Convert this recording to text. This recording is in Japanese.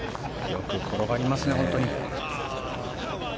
よく転がりますね本当に。